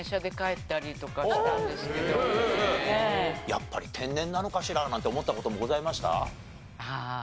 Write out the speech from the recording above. やっぱり天然なのかしらなんて思った事もございました？